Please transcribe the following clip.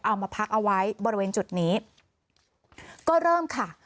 เอามาพักเอาไว้บริเวณจุดนี้ก็เริ่มค่ะ